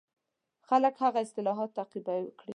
خلک هغه اصلاحات تعقیب کړي.